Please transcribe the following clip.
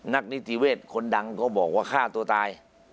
นิติเวศคนดังก็บอกว่าฆ่าตัวตาย